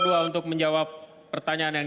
untuk menjawab pertanyaan yang